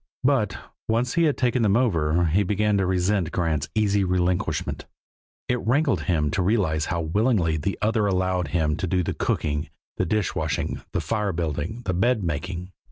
But, once he had taken them over, he began to resent Grant's easy relinquishment; it rankled him to realize how willingly the other allowed him to do the cooking, the dish washing, the fire building, the bed making.